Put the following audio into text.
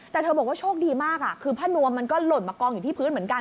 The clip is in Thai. แต่เธอบอกว่าโชคดีมากคือผ้านวมมันก็หล่นมากองอยู่ที่พื้นเหมือนกัน